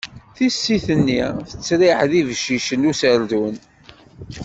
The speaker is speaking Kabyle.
Tissit-nni tettriḥ d ibeccicen userdun.